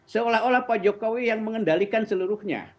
seolah olah pak jokowi yang mengendalikan seluruhnya